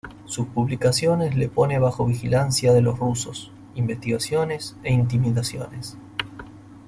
Sus publicaciones le pone bajo vigilancia de los rusos, investigaciones e intimidaciones.